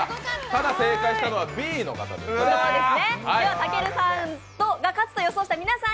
ただ、正解したのはＢの方です。